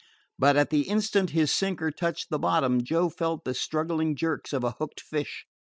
But at the instant his sinker touched the bottom Joe felt the struggling jerks of a hooked fish.